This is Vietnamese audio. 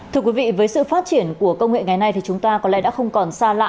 thưa quý vị với sự phát triển của công nghệ ngày nay thì chúng ta có lẽ đã không còn xa lạ